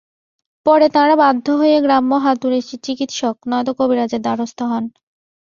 পরে তাঁরা বাধ্য হয়ে গ্রাম্য হাতুড়ে চিকিৎসক, নয়তো কবিরাজের দ্বারস্থ হন।